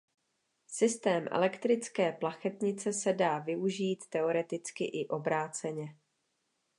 Systém elektrické plachetnice se dá využít teoreticky i obráceně.